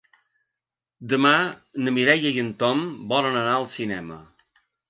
Demà na Mireia i en Tom volen anar al cinema.